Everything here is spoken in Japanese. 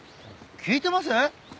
聞いてます？